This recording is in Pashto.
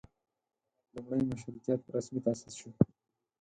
لومړۍ مشروطیت رسمي تاسیس شو.